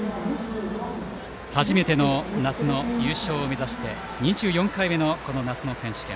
初めての夏の優勝を目指して２４回目のこの夏の選手権。